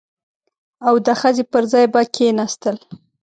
او د ښځې پر ځای به کښېناستل.